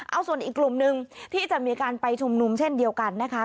เอาส่วนอีกกลุ่มหนึ่งที่จะมีการไปชุมนุมเช่นเดียวกันนะคะ